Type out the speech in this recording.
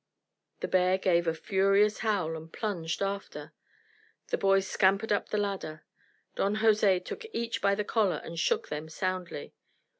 The bear gave a furious howl and plunged after. The boys scampered up the ladder. Don Jose took each by the collar and shook them soundly.